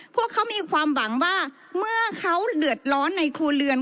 พวกเขามีความหวังว่าเมื่อเขาเดือดร้อนในครัวเรือน